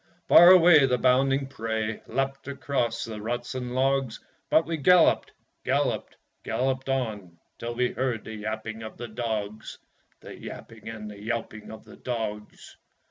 Far away the bounding prey Leapt across the ruts and logs, But we galloped, galloped, galloped on, Till we heard the yapping of the dogs The yapping and the yelping of the dogs.